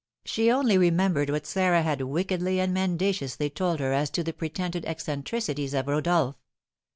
She only remembered what Sarah had wickedly and mendaciously told her as to the pretended eccentricities of Rodolph.